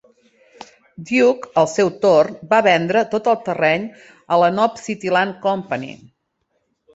Duke, al seu torn, va vendre tot el terreny a la Knob City Land Company.